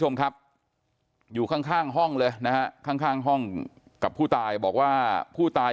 ชมครับอยู่ข้างห้องเลยนะข้างห้องกับผู้ตายบอกว่าผู้ตาย